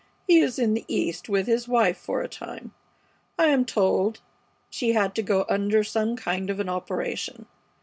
He is in the East with his wife for a time. I am told she had to go under some kind of an operation.